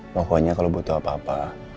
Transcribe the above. pokoknya kalau butuh apa apa